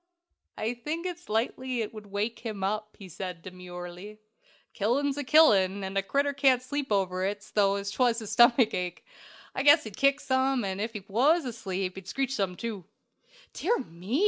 "I think it's likely it would wake him up," said he, demurely. "Killin' 's killin', and a critter can't sleep over it 's though 'twas the stomachache. I guess he'd kick some, ef he was asleep and screech some, too!" "Dear me!"